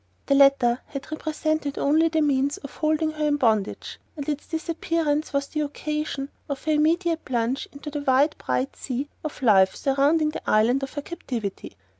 The latter had represented only the means of holding her in bondage, and its disappearance was the occasion of her immediate plunge into the wide bright sea of life surrounding the island of her captivity.